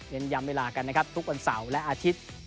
ยำเวลากันนะครับทุกวันเสาร์และอาทิตย์